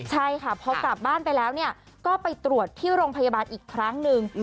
ใช่ค่ะพอกลับบ้านไปแล้วก็ไปตรวจที่โรงพยาบาลอีกครั้งหนึ่ง